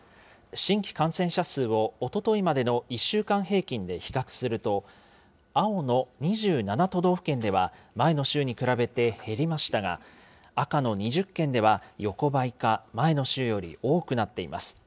新規感染者数をおとといまでの１週間平均で比較すると、青の２７都道府県では前の週に比べて減りましたが、赤の２０県では、横ばいか、前の週より多くなっています。